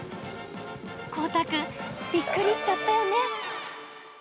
こうたくん、びっくりしちゃったよね。